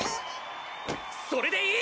それでいい！